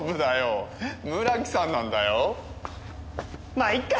まっいっか！